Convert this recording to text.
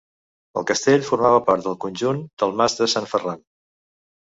El castell formava part del conjunt del Mas de Sant Ferran.